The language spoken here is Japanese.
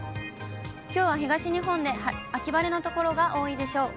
きょうは東日本で秋晴れの所が多いでしょう。